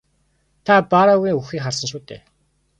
Та Барруагийн үхэхийг харсан шүү дээ?